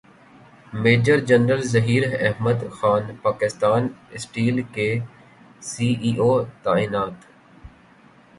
major general Zaheer Ahmed Khan Pakistan steel کے C E O تعینات